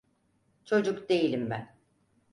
Çocuk değilim ben.